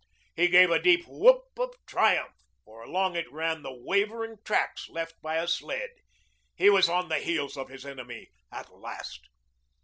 He gave a deep whoop of triumph, for along it ran the wavering tracks left by a sled. He was on the heels of his enemy at last.